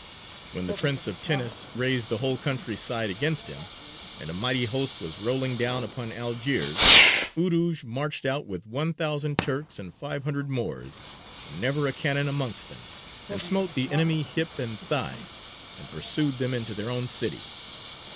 When the Prince of Tinnis raised the whole country side against him, and a mighty host was rolling down upon Algiers, Urūj marched out with one thousand Turks and five hundred Moors, and never a cannon amongst them, and smote the enemy hip and thigh, and pursued them into their own city.